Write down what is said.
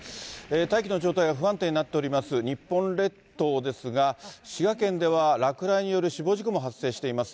大気の状態が不安定になっております、日本列島ですが、滋賀県では落雷による死亡事故も発生しています。